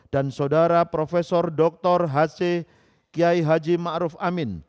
dan saudara prof dr h c kiai haji ma ruf amin